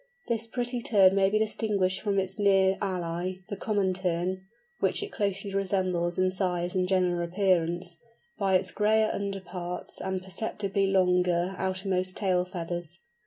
This pretty Tern may be distinguished from its near ally, the Common Tern (which it closely resembles in size and general appearance), by its grayer under parts and perceptibly longer outermost tail feathers.